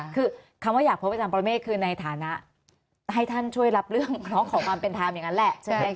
คือคำว่าอยากพบอาจารย์ประเมฆคือในฐานะให้ท่านช่วยรับเรื่องร้องขอความเป็นธรรมอย่างนั้นแหละใช่ไหม